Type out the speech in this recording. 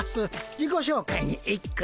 自己紹介に一句。